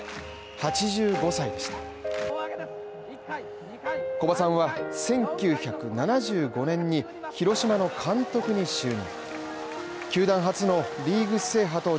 ８５歳でした古葉さんは１９７５年に広島の監督に就任。